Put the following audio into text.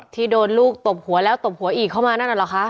ที่โดนลูกตบหัวแล้วตบหัวอีกเข้ามานั่นน่ะเหรอคะ